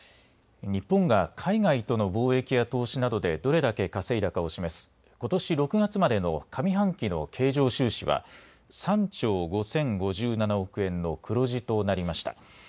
日本が海外との貿易や投資などでどれだけ稼いだかを示すことし６月までの上半期の経常収支は３兆５０５７億円の黒字となりました。